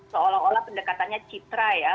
seolah olah pendekatannya citra ya